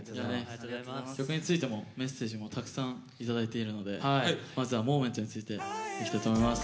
曲についてのメッセージもたくさんいただいているのでまずは「Ｍｏｍｅｎｔ」についていきたいと思います。